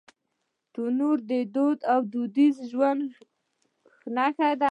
تنور د دود او دودیز ژوند نښه ده